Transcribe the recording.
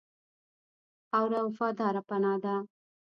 خاوره وفاداره پناه ده.